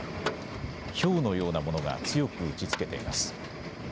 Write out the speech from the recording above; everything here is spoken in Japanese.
ひょうのようなものが強く打ちつけています。